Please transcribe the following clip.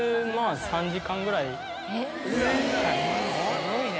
すごいね。